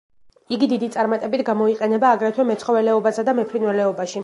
იგი დიდი წარმატებით გამოიყენება აგრეთვე მეცხოველეობასა და მეფრინველეობაში.